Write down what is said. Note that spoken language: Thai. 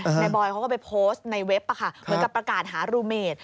นายบอยเขาก็ไปโพสต์ในเว็บเหมือนกับประกาศหารูเมด